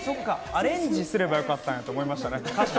アレンジすればよかったんやと思いました。